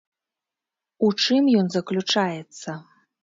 У чым ён заключаецца?